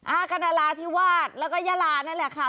อาคารราธิวาสแล้วก็ยาลานั่นแหละค่ะ